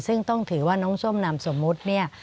ซึ่งต้องถือว่าน้องส้มนามสมมุติเนี่ย